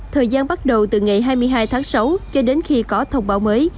thời gian bắt đầu từ ngày hai mươi hai tháng sáu cho đến khi có thông báo mới